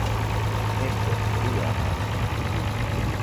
Ebe, rɨamaza